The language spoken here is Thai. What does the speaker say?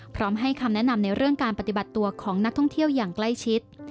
พร้อมให้คำแนะนำในเรื่องการปฏิบัติตัวของนักท่องเที่ยวอย่างใกล้ชิด